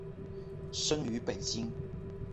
生于北京。